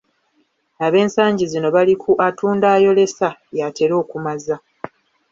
Ab'ensangi zino bali ku, "Atunda ayolesa yatera okumaza".